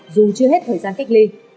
dù chưa hết thời gian cách ly